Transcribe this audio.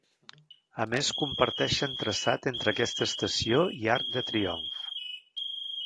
A més comparteixen traçat entre aquesta estació i Arc de Triomf.